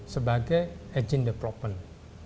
sebagai agen development